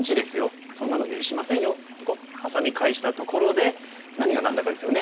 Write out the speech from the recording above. そんなの許しませんよ」ってハサミ返したところで何が何だかですよね。